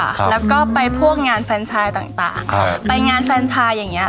ครับแล้วก็ไปพวกงานแฟนชายต่างต่างครับไปงานแฟนชายอย่างเงี้